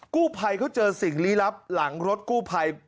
กู้ไพเขาเจอสิ่งหลีลับหลังรถกู้ไพ